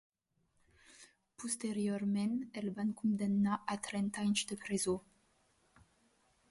Posteriorment, el van condemnar a trenta anys de presó.